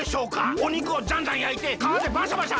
おにくをジャンジャンやいてかわでバシャバシャ